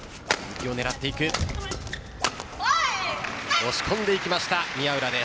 押し込んでいきました、宮浦です。